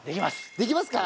できますか！